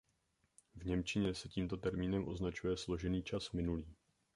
V němčině se tímto termínem označuje složený čas minulý.